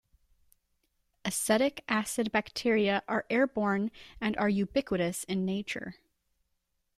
Acetic acid bacteria are airborne and are ubiquitous in nature.